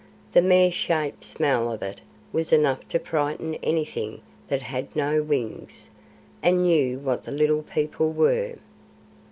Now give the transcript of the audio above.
The mere sharp smell of it was enough to frighten anything that had no wings, and knew what the Little People were.